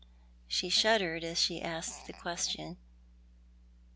" She shuddered as she asked the question.